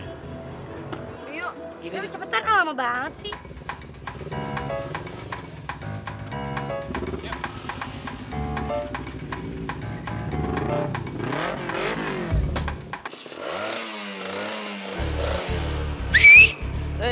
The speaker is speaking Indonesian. riuk ini cepetan lah lama banget sih